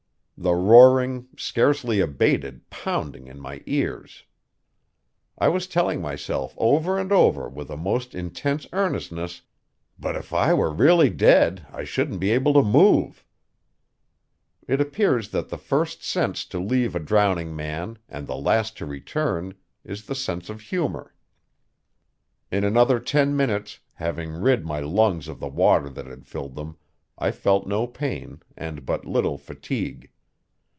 The roaring, scarcely abated, pounded in my ears. I was telling myself over and over with a most intense earnestness: "But if I were really dead I shouldn't be able to move." It appears that the first sense to leave a drowning man, and the last to return, is the sense of humor. In another ten minutes, having rid my lungs of the water that had filled them, I felt no pain and but little fatigue.